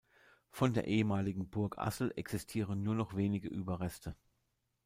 Von der ehemaligen Burg Assel existieren nur noch wenige Überreste.